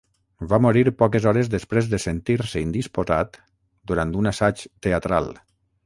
Va morir poques hores després de sentir-se indisposat durant un assaig teatral.